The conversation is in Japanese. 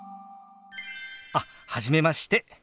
あっ初めまして。